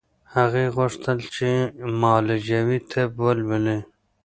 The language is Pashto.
هغې غوښتل چې معالجوي طب ولولي